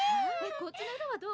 こっちの色はどう？